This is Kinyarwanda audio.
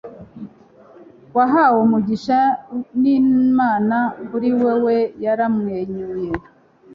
wahawe umugisha n'imana, kuri wewe yaramwenyuye